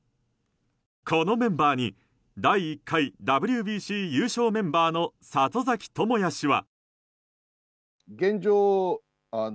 このメンバーに第１回ＷＢＣ優勝メンバーの里崎智也氏は。